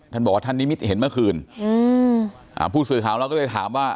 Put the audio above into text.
ท่านบอกว่าท่านนิมิตเห็นเมื่อคืนอืมอ่าผู้สื่อข่าวเราก็เลยถามว่า